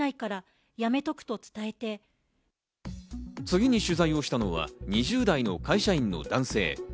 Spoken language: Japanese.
次に取材をしたのは２０代の会社員の男性。